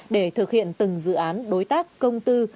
để thực hiện từng dự án đối tác công tư